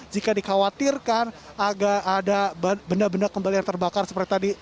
jika dikhawatirkan agak ada benda benda kembali yang terbakar seperti tadi